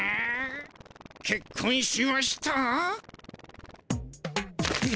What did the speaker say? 「けっこんしました」？